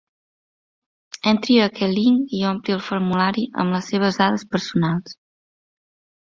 Entri a aquest link i ompli el formulari amb les seves dades personals.